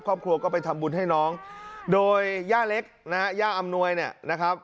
ครอบครัวก็ไปทำบุญให้น้องโดยย่าเล็กนะฮะย่าอำนวยเนี่ยนะครับ